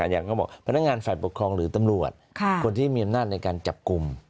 อย่างเขาบอกพนักงานฝ่ายปกครองหรือตำรวจคนที่มีอำนาจในการจับกลุ่ม